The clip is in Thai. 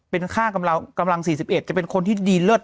เป็นค่ากำลัง๔๑จะเป็นคนที่ดีเลิศ